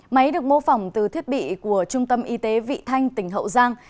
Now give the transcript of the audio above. máy được mô phỏng từ thiết bị của trung tâm y tế vị thanh tỉnh hậu giang